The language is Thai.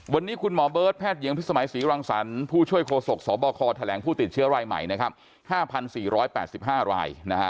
วันนี้คุณหมอเบิร์ตแพทย์หญิงพิสมัยศรีรังสรรค์ผู้ช่วยโฆษกสบคแถลงผู้ติดเชื้อรายใหม่นะครับ๕๔๘๕ราย